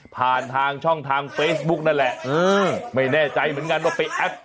ผ่านทางช่องทางเฟซบุ๊กนั่นแหละไม่แน่ใจเหมือนกันว่าไปแอป